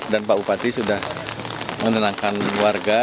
dan pak bupati sudah menenangkan warga